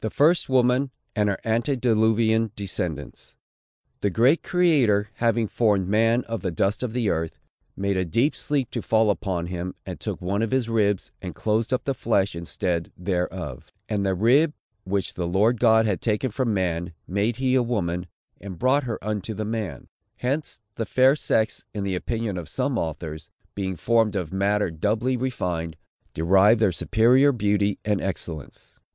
THE FIRST WOMAN, AND HER ANTEDILUVIAN DESCENDANTS. The great Creator, having formed man of the dust of the earth, "made a deep sleep to fall upon him, and took one of his ribs, and closed up the flesh instead thereof. And the rib, which the Lord God had taken from man, made he a woman, and brought her unto the man." Hence the fair sex, in the opinion of some authors, being formed of matter doubly refined, derive their superior beauty and excellence.